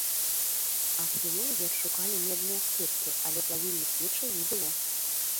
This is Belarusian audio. Археолагі адшукалі медныя аскепкі, але плавільных печаў не было.